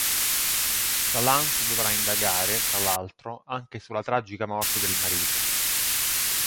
La Lanz dovrà indagare, tra l'altro, anche sulla tragica morte del marito.